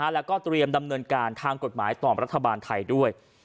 แล้วก็เตรียมดำเนินการทางกฎหมายต่อรัฐบาลไทยด้วย